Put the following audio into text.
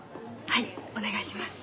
はいお願いします。